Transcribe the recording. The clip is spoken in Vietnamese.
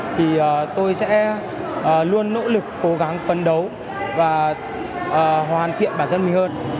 thì tôi sẽ luôn nỗ lực cố gắng phấn đấu và hoàn thiện bản thân mình hơn